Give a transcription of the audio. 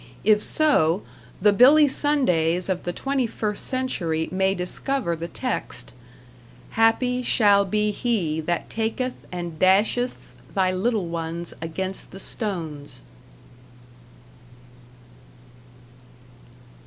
If so, the Billy Sundays of the twenty first century may discover the text: "#Happy shall be he that taketh and dasheth thy little ones against the stones.